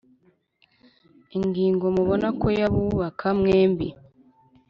ingingo mubona ko yabubaka mwembi,